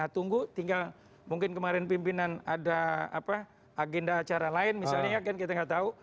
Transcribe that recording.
tidak tunggu mungkin kemarin pimpinan ada agenda acara lain misalnya kita tidak tahu